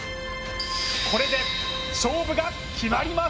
これで勝負が決まります。